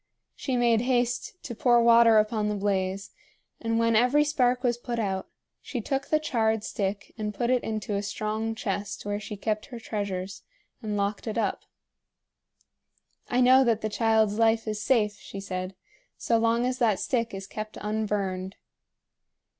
She made haste to pour water upon the blaze, and when every spark was put out, she took the charred stick and put it into a strong chest where she kept her treasures, and locked it up. "I know that the child's life is safe," she said, "so long as that stick is kept unburned."